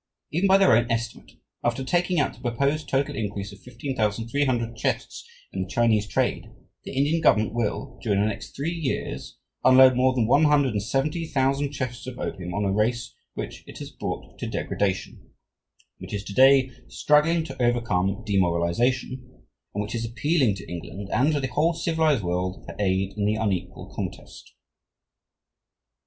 Even by their own estimate, after taking out the proposed total decrease of 15,300 chests in the Chinese trade, the Indian Government will, during the next three years, unload more than 170,000 chests of opium on a race which it has brought to degradation, which is to day struggling to overcome demoralization, and which is appealing to England and to the whole civilized world for aid in the unequal contest.